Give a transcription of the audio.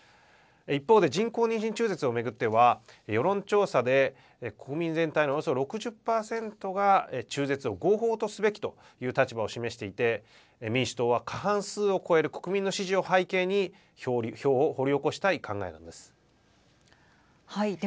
一方で人工妊娠中絶を巡っては世論調査で国民全体のおよそ６０％が中絶を合法とすべきという立場を示していて民主党は過半数を超える国民の支持を背景に票を掘り起こしたい考えなんです。